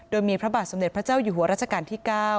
โดยมีพระบาทสมเด็จพระเจ้าอยู่หัวรัชกาลที่๙